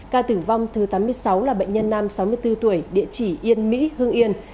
ca tử vong thứ tám mươi sáu là bệnh nhân nam sáu mươi bốn tuổi địa chỉ yên mỹ hương yên